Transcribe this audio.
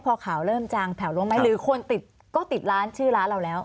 พอข่าวเริ่มจางแถวลงไหมหรือคนติดก็ติดร้านชื่อร้านเราแล้ว